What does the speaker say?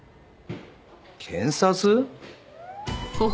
検察？